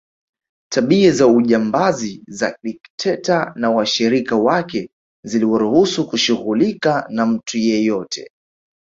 Tabia za ujambazi za dikteta na washirika wake ziliwaruhusu kushughulika na mtu yeyote